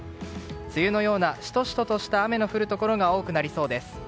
梅雨のようなシトシトとした雨の降るところが多くなりそうです。